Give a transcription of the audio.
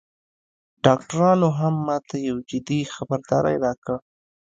ډاکترانو هم ماته یو جدي خبرداری راکړ